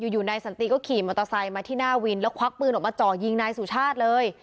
อยู่นายสันติก็ขี่มอเตอร์ไซค์มาที่หน้าวินแล้วควักปืนออกมาจ่อยิงนายสุชาติเลย